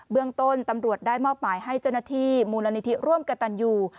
เรื่องต้นตำรวจได้มอบหมายให้เจ้าหน้าที่มูลนิธิร่วมกับตันยู